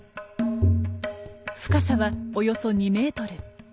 深さはおよそ２メートル。